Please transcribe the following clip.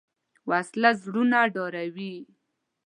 وسله زړونه ډاروي